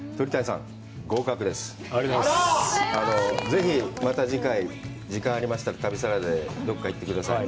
ぜひまた次回、時間がありましたら、旅サラダでどこか行ってください。